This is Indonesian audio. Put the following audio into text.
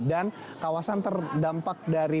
dan kawasan terdampak dari